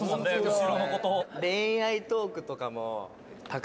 後ろの子と」